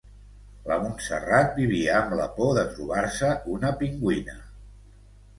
La Montserrat vivia amb la por de trobar-se una pingüina.